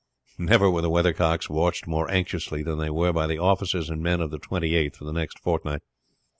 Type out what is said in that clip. Never were the weathercocks watched more anxiously than they were by the officers and men of the Twenty eighth for the next fortnight.